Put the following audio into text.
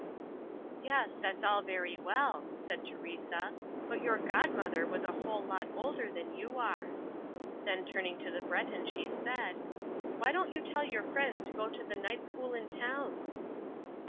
"Yes, that's all very well," said Teresa, "but your godmother was a whole lot older than you are." Then turning to the Breton she said, "Why don't you tell your friends to go to the night school in town?"